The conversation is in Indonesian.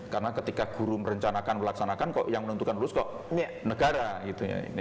karena ketika guru merencanakan melaksanakan kok yang menentukan lulus kok negara gitu ya